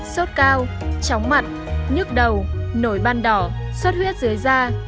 sốt cao chóng mặt nhức đầu nổi ban đỏ xuất huyết dưới da